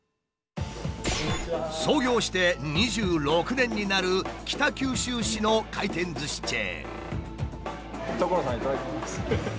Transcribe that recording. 創業して２６年になる北九州市の回転ずしチェーン。